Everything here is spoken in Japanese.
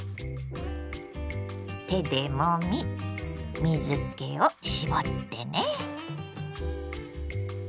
手でもみ水けを絞ってね。